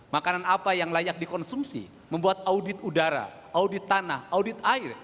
makanan apa yang layak dikonsumsi membuat audit udara audit tanah audit air